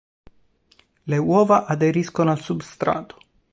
Le uova aderiscono al substrato.